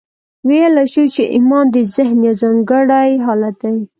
ویلای شو چې ایمان د ذهن یو ځانګړی حالت دی